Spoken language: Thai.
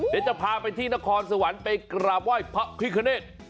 เดี๋ยวจะพาไปที่นครสวรรค์ไปกราบไหว้พระพิคเนต